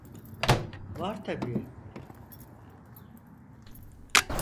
Var tabii.